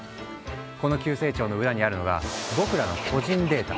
この急成長の裏にあるのが僕らの個人データ。